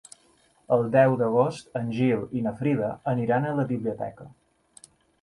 El deu d'agost en Gil i na Frida aniran a la biblioteca.